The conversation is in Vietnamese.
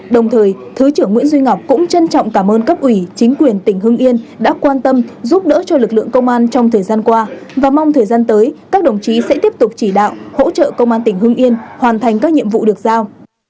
đồng thời thứ trưởng nguyễn duy ngọc cũng trân trọng cảm ơn cấp ủy chính quyền tỉnh hưng yên đã quan tâm giúp đỡ cho lực lượng công an trong thời gian qua và mong thời gian tới các đồng chí sẽ tiếp tục chỉ đạo hỗ trợ công an tỉnh hưng yên hoàn thành các nhiệm vụ được giao